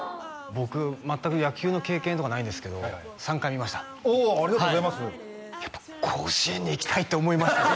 僕全く野球の経験とかないんですけど３回見ましたおおありがとうございますやっぱ甲子園に行きたいって思いました